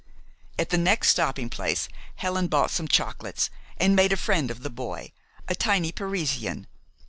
At the next stopping place Helen bought some chocolates, and made a friend of the boy, a tiny Parisian.